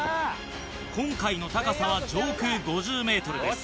今回の高さは上空５０ｍです。